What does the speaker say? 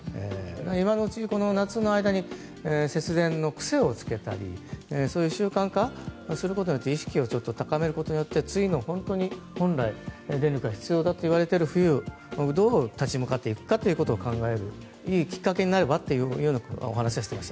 今のうちに、夏の間に節電の癖をつけたりそういう習慣化することによって意識を高めることによって次の本当に本来、電力が必要だといわれている冬にどう立ち向かっていくかということを考えるいいきっかけになればというお話でした。